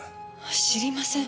知りません！